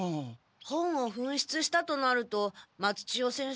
本をふんしつしたとなると松千代先生